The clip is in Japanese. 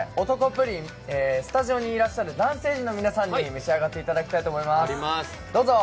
プリンスタジオにいらっしゃる男性陣の皆さんに召し上がっていただきたいと思います。